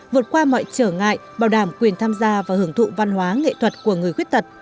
vượt qua mọi trở ngại bảo đảm quyền tham gia và hưởng thụ văn hóa nghệ thuật của người khuyết tật